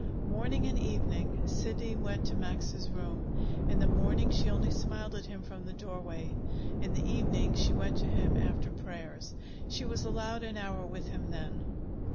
Morning and evening, Sidney went to Max's room. In the morning she only smiled at him from the doorway. In the evening she went to him after prayers. She was allowed an hour with him then.